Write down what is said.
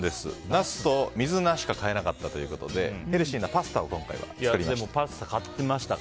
ナスと水菜しか買えなかったということでヘルシーなパスタを今回は作りました。